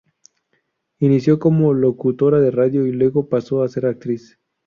Inició como locutora de radio y luego pasó a ser actriz.